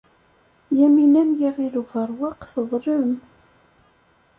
Yamina n Yiɣil Ubeṛwaq teḍlem.